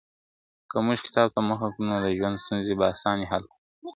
که موږ کتاب ته مخه کړو نو د ژوند ستونزي به اساني حل کړو !.